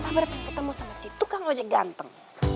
sabar pengen ketemu sama si tukang ojek ganteng